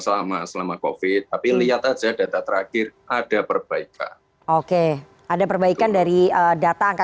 selama selama covid tapi lihat aja data terakhir ada perbaikan oke ada perbaikan dari data angka